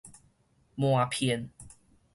瞞騙